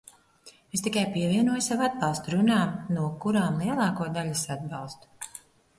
Es tikai pievienoju savu atbalstu runām, no kurām lielāko daļu es atbalstu.